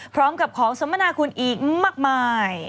พร้อมกับของสมนาคุณอีกมากมาย